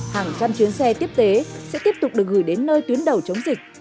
hàng trăm chuyến xe tiếp tế sẽ tiếp tục được gửi đến nơi tuyến đầu chống dịch